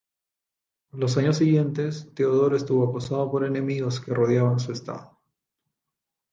Los años siguientes, Teodoro estuvo acosado por enemigos que rodeaban su estado.